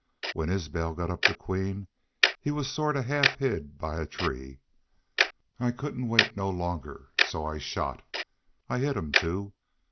When Isbel got up to Queen he was sort of half hid by the tree. An' I couldn't wait no longer, so I shot. I hit him, too.